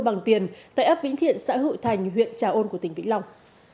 bằng tiền tại ấp vĩnh thiện xã hội thành huyện trà ôn của tỉnh vĩnh long